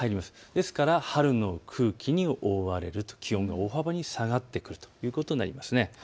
ですから春の空気に覆われると気温が大幅に下がってくるということになります。